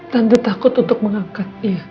tante takut untuk mengangkatnya